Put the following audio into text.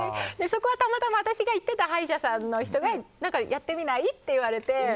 そこはたまたま私が行ってた歯医者さんの人がやってみない？って言われて。